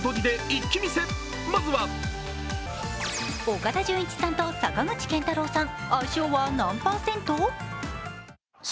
岡田准一さんと坂口健太郎さん、相性は何％？